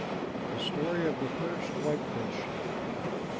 THE STORY OF THE FIRST WHITEFISH.